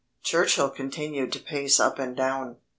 Churchill continued to pace up and down.